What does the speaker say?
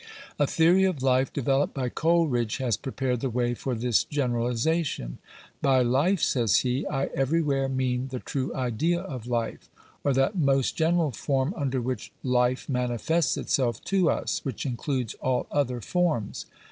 A theory of life developed by Coleridge has prepared the way for this generalization. " By life," says he, " I everywhere mean the true idea of life, or that most general form under which life manifests itself to us, which includes all other forms.